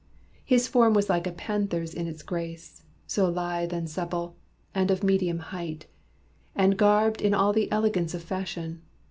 His form was like a panther's in its grace, So lithe and supple, and of medium height, And garbed in all the elegance of fashion.